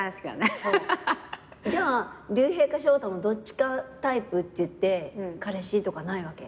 じゃあ龍平か翔太のどっちかタイプっていって彼氏とかないわけ？